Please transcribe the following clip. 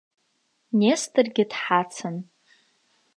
Несторгьы дҳацын.